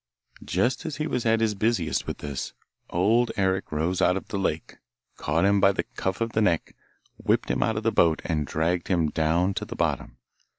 Just as he was at his busiest with this, Old Eric rose out of the lake, caught him by the cuff of the neck, whipped him out of the boat, and dragged him down to the bottom.